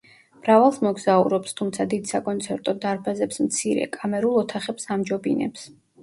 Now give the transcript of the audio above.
მრავალს მოგზაურობს, თუმცა დიდ საკონცერტო დარბაზებს მცირე, კამერულ ოთახებს ამჯობინებს.